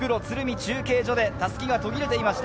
中継所で襷が途切れていました。